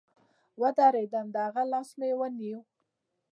ودرېدم د هغه لاس مې ونيو.